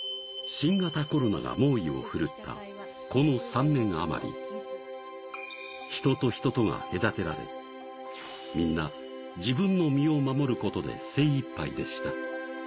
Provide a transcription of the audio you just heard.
新型コロナが猛威を振るった、この３年あまり、人と人とが隔てられ、みんな、自分の身を守ることで精いっぱいでした。